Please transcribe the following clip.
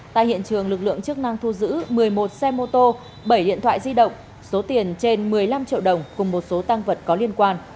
tại hiện trường lực lượng chức năng thu giữ một mươi một xe mô tô bảy điện thoại di động số tiền trên một mươi năm triệu đồng cùng một số tăng vật có liên quan